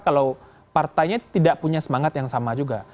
kalau partainya tidak punya semangat yang sama juga